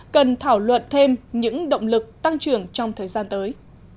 cần thảo luận thêm những động lực tăng trưởng trong thời gian tới